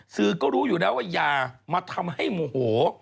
สื่อก็รู้อยู่แล้วว่าอย่ามาทำให้โมโห